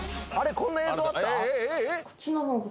こんな映像あった？